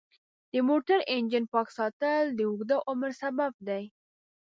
د موټر انجن پاک ساتل د اوږده عمر سبب دی.